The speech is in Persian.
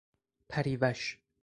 پریوش